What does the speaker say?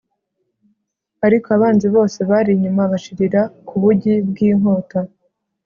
ariko abanzi bose bari inyuma bashirira ku bugi bw'inkota